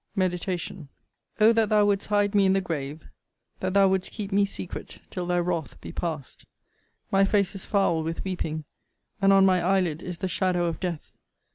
MEDITATION O that thou wouldst hide me in the grave! that thou wouldst keep me secret, till thy wrath be past! My face is foul with weeping; and on my eye lid is the shadow of death.